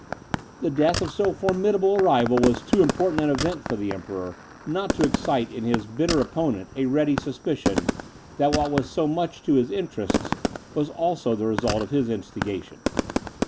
The death of so formidable a rival was too important an event for the Emperor, not to excite in his bitter opponent a ready suspicion, that what was so much to his interests, was also the result of his instigation.